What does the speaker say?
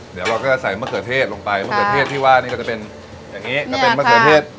เดี๋ยวเราก็จะใส่มะเขือเทศลงไปมะเขือเทศที่ว่านี่ก็จะเป็นอย่างนี้จะเป็นมะเขือเทศ